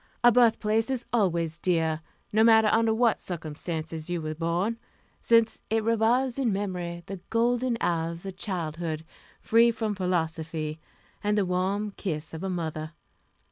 A birthplace is always dear, no matter under what circumstances you were born, since it revives in memory the golden hours of childhood, free from philosophy, and the warm kiss of a mother.